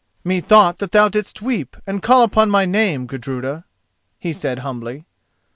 "Methought that thou didst weep and call upon my name, Gudruda," he said humbly.